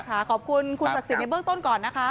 ใช่ค่ะขอบคุณคุณศักดิ์ศิษย์ในเบื้องต้นก่อนนะคะ